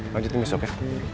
lanjutin besok ya